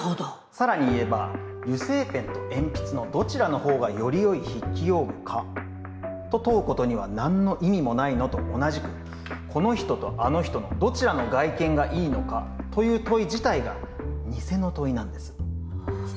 更に言えば油性ペンと鉛筆のどちらの方がよりよい筆記用具かと問うことには何の意味もないのと同じくこの人とあの人のどちらの外見がいいのかという問い自体がニセの問いなのです。